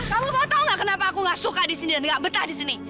kamu mau tahu nggak kenapa aku nggak suka di sini dan nggak betah di sini